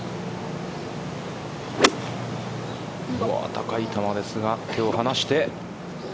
高い球ですが、手を離して。